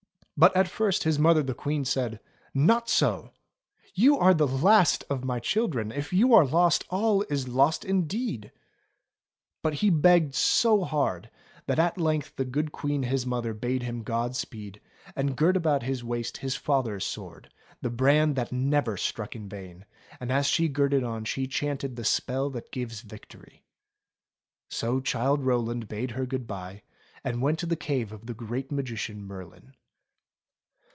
But at first his mother the Queen said : "Not so! You are the last of my children; if you are lost, all is lost indeed !" But he begged so hard that at length the good Queen his mother bade him God speed, and girt about his waist his father's sword, the brand that never struck in vain, and as she girt it on she chanted the spell that gives victory. So Childe Rowland bade her good bye and went to the cave of the Great Magician Merlin.